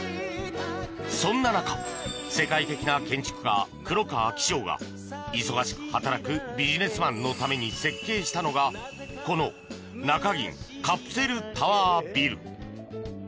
そんな中、世界的な建築家黒川紀章が忙しく働くビジネスマンのために設計したのがこの中銀カプセルタワービル。